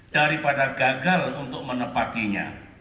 daripada gagal untuk menepatinya